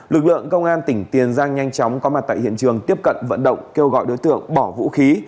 lực lượng công an tỉnh tiền giang nhanh chóng có mặt tại hiện trường tiếp cận vận động kêu gọi đối tượng bỏ vũ khí